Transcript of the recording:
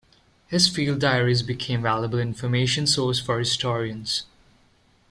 His field diaries became valuable information source for historians.